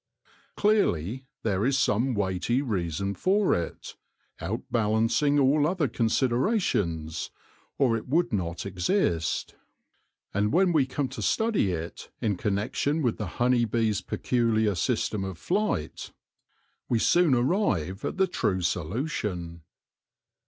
Clearly there is some weighty reason for it, out balancing all other considerations, or it would not exist ; and when we come to study it in connection with the honey bee's £ no THE LORE OF THE HONEY BEE peculiar system of flight, we soon arrive at the true solution.